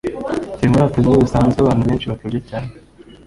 Sinkurata bimwe bisanzwe Abantu benshi bakabya cyane.